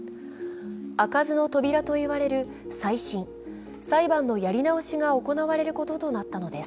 開かずの扉といわれる再審＝裁判のやり直しが行われることとなったのです。